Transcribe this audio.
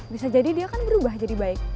bisa jadi dia kan berubah jadi baik